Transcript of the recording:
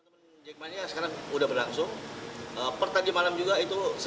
tiga puluh ribuan sudah sold out